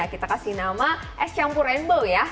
kita kasih nama es campur rainbow ya